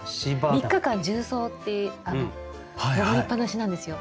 ３日間縦走って登りっぱなしなんですよ。